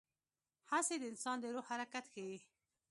هڅې د انسان د روح حرکت ښيي.